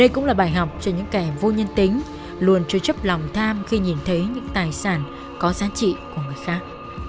cho những kẻ vô nhân tính luôn chưa chấp lòng tham khi nhìn thấy những tài sản có sáng chị nó khác